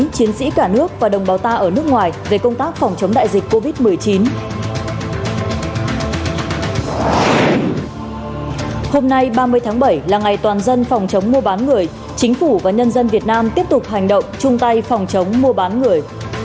chính phủ và nhân dân việt nam tiếp tục hành động chung tay phòng chống mua bán người